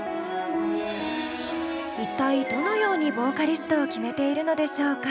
一体どのようにボーカリストを決めているのでしょうか？